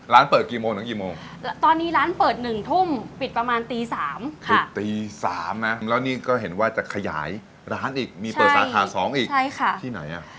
ร้านเปิดกี่โมงถึงกี่โมงตอนนี้ร้านเปิดหนึ่งทุ่มปิดประมาณตีสามค่ะปิดตีสามนะแล้วนี่ก็เห็นว่าจะขยายร้านอีกมีเปิดสาขาสองอีกใช่ค่ะที่ไหนอ่ะ